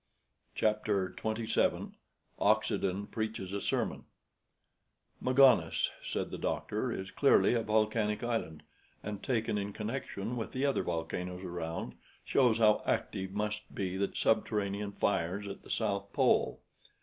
CHAPTER XXVII OXENDEN PREACHES A SERMON "Magones," said the doctor, "is clearly a volcanic island, and, taken in connection with the other volcanoes around, shows how active must be the subterranean fires at the South Pole.